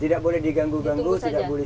tidak boleh diganggu ganggu tidak boleh